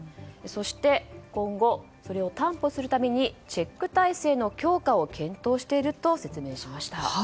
そして今後これを担保するためにチェック体制の強化を検討していると説明しました。